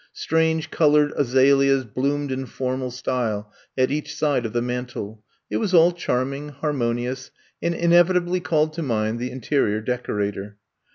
Strange colored azaleas bloomed in formal style at each side of the mantel. It was all charming, harmonious, and inevitably called to mind the interior decorator.